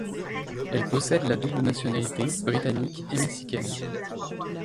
Elle possède la double nationalité britannique et mexicaine.